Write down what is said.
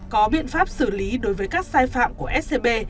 có biện pháp xử lý đối với các sai phạm của scb